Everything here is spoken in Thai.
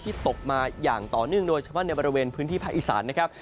ตกมาอย่างต่อเนื่องโดยเฉพาะในบริเวณพื้นที่ภาคอีสานนะครับ